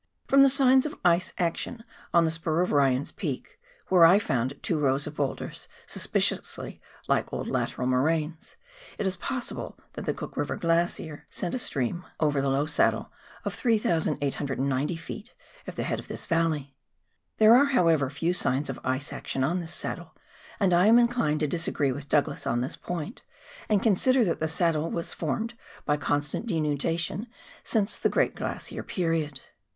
From the signs of ice action on the spur of Ryan's Peak, where I found two rows of boulders suspiciously like old lateral moraines, it is possible that the Cook River Glacier sent a stream over the low COPLAXD EIYER AXD GENERAL WORK. 291 saddle of 3,890 ft, at the head of tbis valley. There are, how ever, few signs of ice action on this saddle, and I am inclined to disagree with Douglas on this point, and consider that the saddle has formed by constant denudation since the great glacier period.